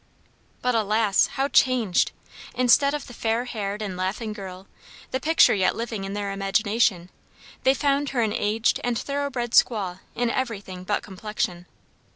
But alas! how changed! Instead of the fair haired and laughing girl, the picture yet living in their imagination, they found her an aged and thoroughbred squaw in everything but complexion.